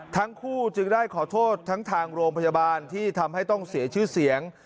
ทั้งคู่จึงได้ขอโทษทั้งทางโรงพยาบาลที่ทำให้ต้องเสียชื่อเสียง